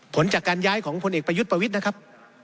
ผลจากการย้ายของพลเอกประยุทธ์ประวิทย์นะครับ